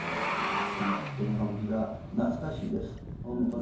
この歌舞伎座懐かしいです本当に。